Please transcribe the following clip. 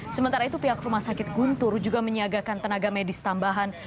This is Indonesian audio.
sementara itu pihak rumah sakit guntur juga menyiagakan tenaga medis tambahan